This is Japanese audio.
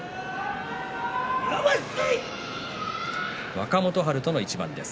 若元春との一番です。